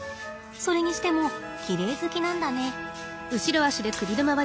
それにしてもきれい好きなんだね。